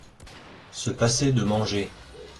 Se passer de manger.